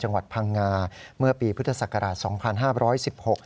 จังหวัดพังงาเมื่อปีพิธศกราช๒๕๑๖